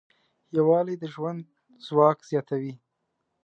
یووالی د ژوند ځواک زیاتوي.